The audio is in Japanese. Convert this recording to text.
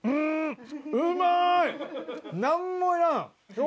何もいらん。